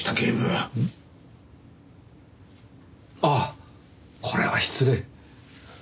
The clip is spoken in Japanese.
ああこれは失礼。